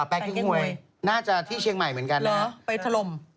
แปลงเก๊กหวยน่าจะที่เชียงใหม่เหมือนกันนะครับไปทะลม